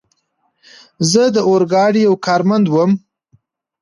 زه د اورګاډي یو کارمند ووم.